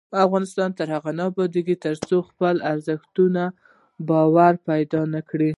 افغانستان تر هغو نه ابادیږي، ترڅو په خپلو ارزښتونو باور پیدا نکړو.